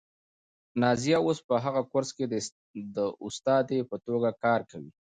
نازیه اوس په هغه کورس کې د استادې په توګه کار کوي.